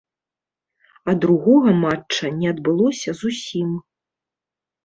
А другога матча не адбылося зусім.